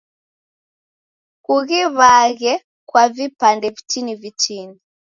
Kughiw'aghe kwa vipande vitini vitini.